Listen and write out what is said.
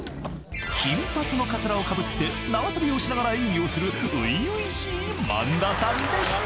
［金髪のかつらをかぶって縄跳びをしながら演技をする初々しい萬田さんでした］